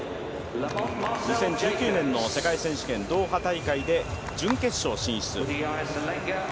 ２０１９年の世界選手権ドーハ大会で準決勝進出。